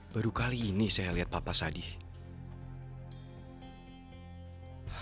baru kali ini saya lihat papa sadih